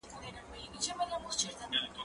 زه لوښي نه وچوم،